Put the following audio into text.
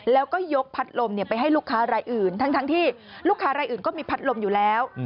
แล้วก็ยกพัดลมไปให้ลูกค้ารายอื่นทั้งที่ลูกค้ารายอื่นก็มีพัดลมอยู่แล้ว